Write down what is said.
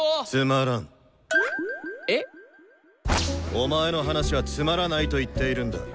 お前の話はつまらないと言っているんだ。